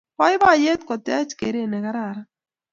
Boiboiyet kotech keret ne kararan